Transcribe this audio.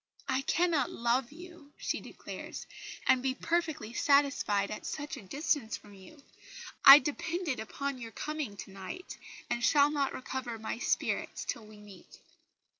"I cannot love you," she declares, "and be perfectly satisfied at such a distance from you. I depended upon your coming to night, and shall not recover my spirits till we meet."